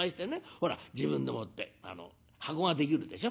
ほら自分でもって箱ができるでしょ。